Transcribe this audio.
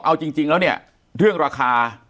เอาจริงแล้วเนี่ยเรื่องราคา